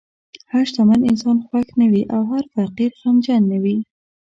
هر شتمن انسان خوښ نه وي، او هر فقیر غمجن نه وي.